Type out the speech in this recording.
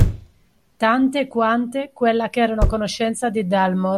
Tante quante quella che erano a conoscenza di Dalmor